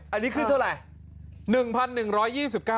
อันนี้ขึ้นเท่าไหร่